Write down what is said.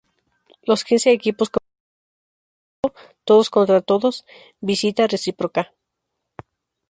Los quince equipos compiten en un grupo único, todos contra todos a visita reciproca.